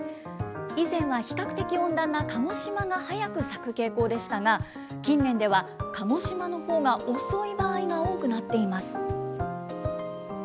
以前は比較的温暖な鹿児島が早く咲く傾向でしたが、近年では鹿児島のほうが遅い場合が多くなっています。